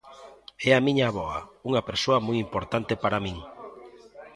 É a miña avoa, unha persoa moi importante para min.